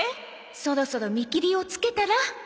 「そろそろ見切りをつけたら？」